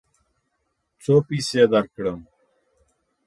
څو پیسې درکړم؟